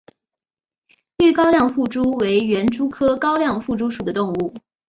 豫高亮腹蛛为园蛛科高亮腹蛛属的动物。